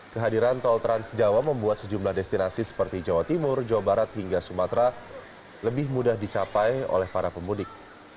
kehadiran tol trans jawa membuat sejumlah destinasi seperti jawa timur jawa barat hingga sumatera lebih mudah dicapai oleh para pemudik